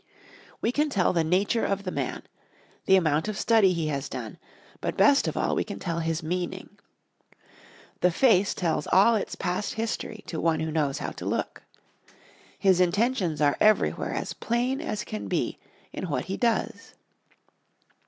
We can tell the nature of the man, the amount of study he has done, but best of all we can tell his meaning. The face tells all its past history to one who knows how to look. His intentions are everywhere as plain as can be in what he does.